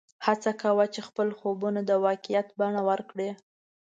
هڅه کوه چې خپل خوبونه د واقعیت بڼه ورکړې